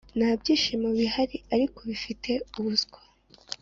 nta byishimo bihari ariko bifite ubuswa